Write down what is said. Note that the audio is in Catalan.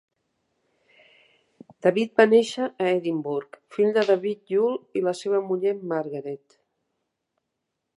David va néixer a Edinburgh, fill de David Yule i la seva muller Margaret.